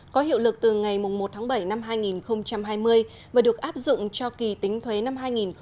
có hiệu lực từ ngày một tháng bảy năm hai nghìn hai mươi và được áp dụng cho kỳ tính thuế năm hai nghìn hai mươi